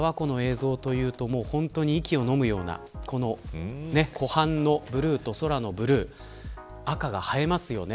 本当に息をのむような湖畔のブルーと空のブルー赤が映えますよね。